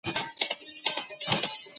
ملکي وګړي د پوره قانوني خوندیتوب حق نه لري.